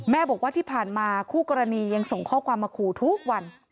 บอกว่าที่ผ่านมาคู่กรณียังส่งข้อความมาขู่ทุกวัน